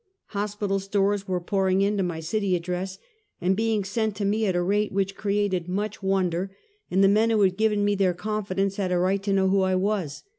Hos pital stores were pouring in to my city address, and being sent to me at a rate which created much won 262 Half a Centuey. der, and the men who had given me their confidence had a right to know who I was.